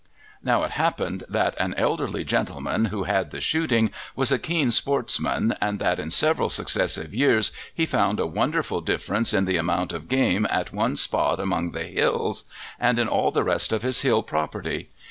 Now it happened that an elderly gentleman who had the shooting was a keen sportsman, and that in several successive years he found a wonderful difference in the amount of game at one spot among the hills and in all the rest of his hill property.